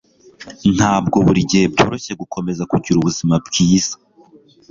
Ntabwo buri gihe byoroshye gukomeza kugira ubuzima bwiza